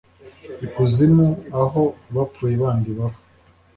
ikuzimu, aho abapfuye bandi baba